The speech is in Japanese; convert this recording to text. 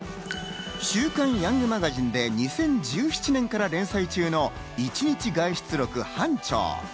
『週刊ヤングマガジン』で２０１７年から連載中の『１日外出録ハンチョウ』。